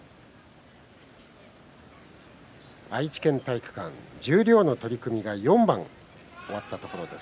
愛知県体育館十両の取組が４番終わったところです。